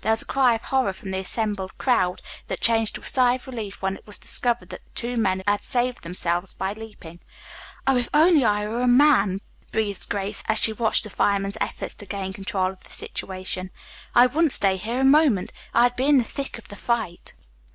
There was a cry of horror from the assembled crowd that changed to a sigh of relief when it was discovered that the two men had saved themselves by leaping. "Oh, if only I were a man," breathed Grace, as she watched the firemen's efforts to gain control of the situation. "I wouldn't stay here a moment. I'd be in the thick of the fight."